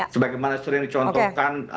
sebagai mana sering dicontohkan